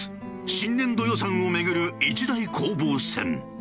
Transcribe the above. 新年度予算を巡る一大攻防戦！」。